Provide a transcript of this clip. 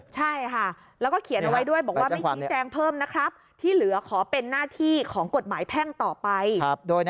ใช่ฮะแล้วก็เขียนเอาไว้ด้วย